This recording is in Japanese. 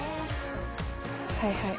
はいはい。